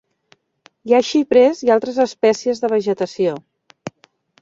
Hi ha xiprers i altres espècies de vegetació.